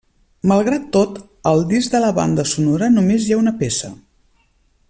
Malgrat tot, al disc de la banda sonora només hi ha una peça.